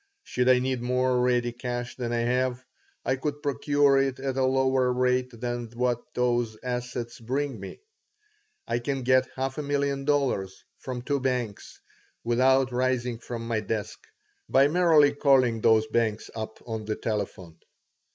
Should I need more ready cash than I have, I could procure it at a lower rate than what those assets bring me. I can get half a million dollars, from two banks, without rising from my desk by merely calling those banks up on the telephone.